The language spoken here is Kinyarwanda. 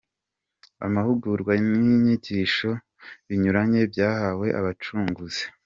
– Amahugurwa n’inyigisho binyuranye byahawe Abacunguzi;